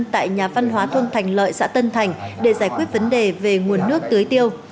tại nhà văn hóa thôn thành lợi xã tân thành để giải quyết vấn đề về nguồn nước tưới tiêu